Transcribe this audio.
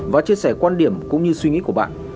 và chia sẻ quan điểm cũng như suy nghĩ của bạn